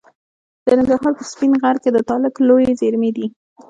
د ننګرهار په سپین غر کې د تالک لویې زیرمې دي.